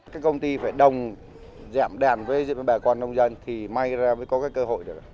các công ty phải đồng giảm đàn với bà con nông dân thì may ra mới có cái cơ hội được